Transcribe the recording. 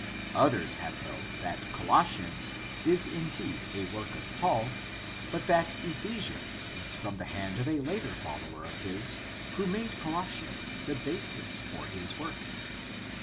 Others have held that Colossians is indeed a work of Paul but that Ephesians is from the hand of a later follower of his who made Colossians the basis for his work.